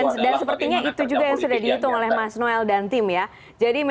dan sepertinya itu juga yang sudah dihitung oleh mas noel dan tim